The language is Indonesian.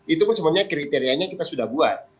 itu pun sebenarnya kriterianya kita sudah buat